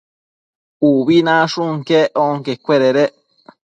Ubi nashun quec onquecuededec